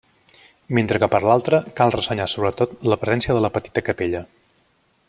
Mentre que per l'altra, cal ressenyar sobretot la presència de la petita capella.